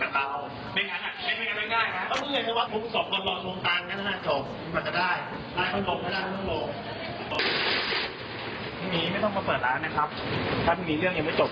ไม่ต้องมาเปิดร้านนะครับถ้าพรุ่งนี้เรื่องยังไม่จบ